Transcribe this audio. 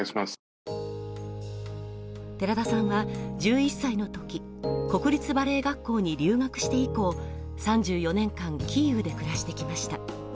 寺田さんは１１歳のとき国立バレエ学校に留学して以降３４年間キーウで暮らしてきました。